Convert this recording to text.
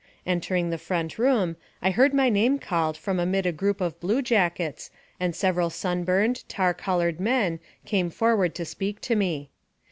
Entering the front room, I heard my name called from amid a group of blue jackets, and several sunburned, tar colored men came forward to speak to me.